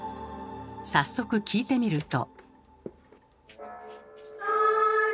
早速聴いてみると。